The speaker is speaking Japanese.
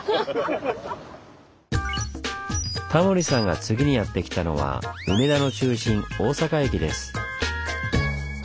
タモリさんが次にやって来たのは梅田の中心大阪駅です。